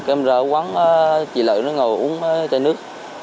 các em ra quán chị lợi nó ngồi uống chai nước